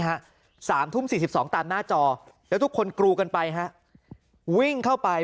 ฮะ๓ทุ่ม๔๒ตามหน้าจอแล้วทุกคนกรูกันไปครับวิ่งเข้าไป